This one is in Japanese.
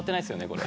これ。